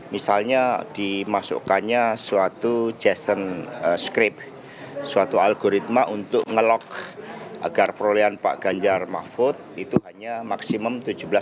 misalnya dimasukkannya suatu jason scrip suatu algoritma untuk ngelok agar perolehan pak ganjar mahfud itu hanya maksimum tujuh belas